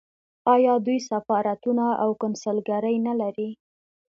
آیا دوی سفارتونه او کونسلګرۍ نلري؟